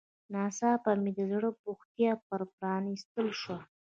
ناڅاپه مې د زړه بوخڅه په پرانيستل شوه.